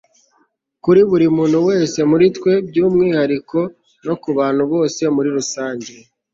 kuri buri muntu wese muri twe by'umwihariko, no ku bantu bose muri rusange